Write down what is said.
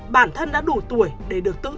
bản thân đã đủ tuổi để được tự